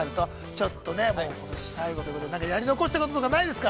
ちょっとね、もうことし最後ということでなんかやり残したこととかないですか？